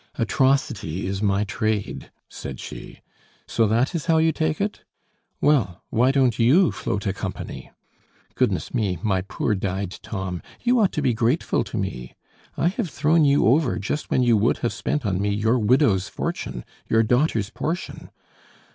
"Atrocity is my trade," said she. "So that is how you take it? Well, why don't you float a company? Goodness me! my poor dyed Tom, you ought to be grateful to me; I have thrown you over just when you would have spent on me your widow's fortune, your daughter's portion.